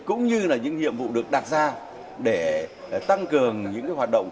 cũng như là những nhiệm vụ được đặt ra để tăng cường những hoạt động